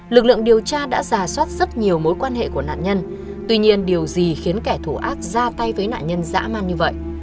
lực lượng điều tra đã giả soát rất nhiều mối quan hệ của nạn nhân tuy nhiên điều gì khiến kẻ thù ác ra tay với nạn nhân dã man như vậy